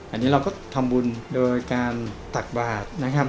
อันนี้เราก็ทำบุญโดยการตักบาทนะครับ